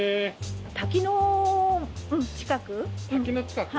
滝の近く？